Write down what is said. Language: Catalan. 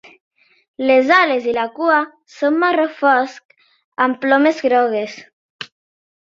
Les ales i la cua són marró fosc amb plomes grogues.